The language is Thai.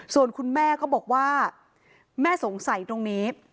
ส่วนคุณแม่ก็บอกว่าแม่สงสัยตรงนี้